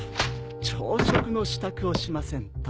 朝食の支度をしませんと。